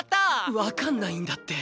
わかんないんだって。